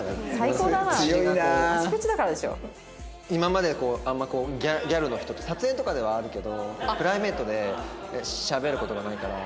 今までこうあんまギャルの人と撮影とかではあるけどプライベートでしゃべる事がないから。